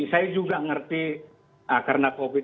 saya juga ngerti karena covid